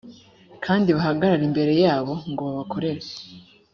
kandi bahagarare imbere yabo ngo babakorere